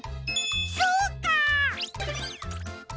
そうか！